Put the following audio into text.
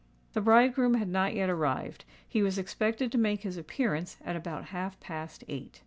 The bridegroom had not yet arrived: he was expected to make his appearance at about half past eight.